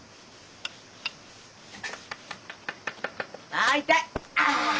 あ痛いあ。